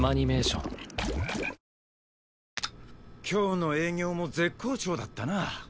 今日の営業も絶好調だったな。